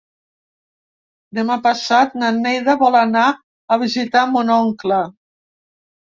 Demà passat na Neida vol anar a visitar mon oncle.